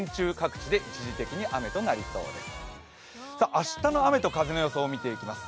明日の雨と風の予想を見ていきます。